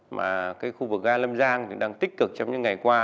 mà cái khu vực ga lâm giang đang tích cực trong những ngày qua